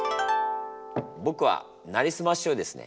僕は「なりすまし」をですね